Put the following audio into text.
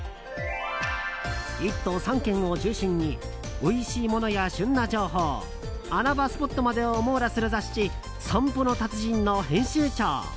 １都３県を中心においしいものや旬な情報穴場スポットまでを網羅する雑誌「散歩の達人」の編集長。